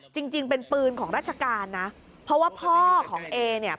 จริงจริงเป็นปืนของราชการนะเพราะว่าพ่อของเอเนี่ย